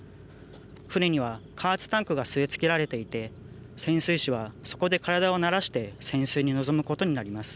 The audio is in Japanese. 船には加圧タンクが据え付けられていて潜水士はそこで体を慣らして潜水に臨むことになります。